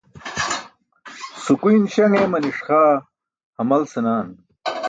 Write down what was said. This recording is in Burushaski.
Sukuyn śaṅ eemani̇ṣ xaa hamal senaan.